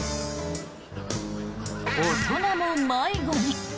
大人も迷子に。